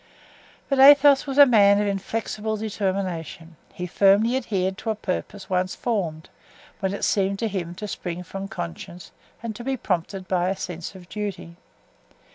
But Athos was a man of inflexible determination; he firmly adhered to a purpose once formed, when it seemed to him to spring from conscience and to be prompted by a sense of duty.